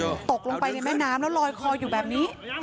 ตกลงไปในแม่น้ำแล้วลอยคออยู่แบบนี้